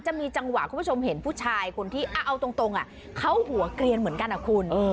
จะมีจังหวะคุณผู้ชมเห็นผู้ชายคนที่เอาตรงเขาหัวเกลียนเหมือนกันนะคุณ